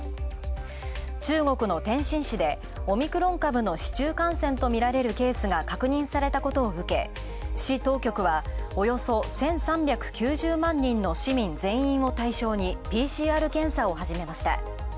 中国の天津市で、オミクロン株の市中感染とみられるケースが確認されたことを受け、市当局は、およそ１３９０万人の市民全員を対象にＰＣＲ検査を始めました。